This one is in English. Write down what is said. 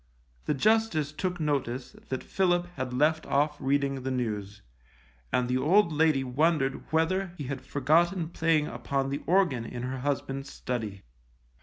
The Justice took notice that Philip had left off reading the news, and the old lady wondered whether he had forgotten playing upon the organ in her husband's study.